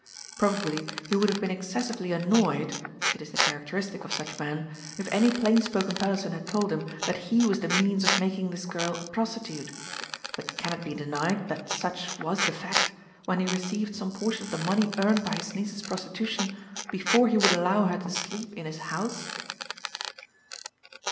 Probably he would have been excessively annoyed (it is the characteristic of such men) if any plain spoken person had told him that he was the means of making this girl a prostitute; but can it be denied that such was the fact, when he received some portion of the money earned by his niece's prostitution before he would allow her to sleep in his house?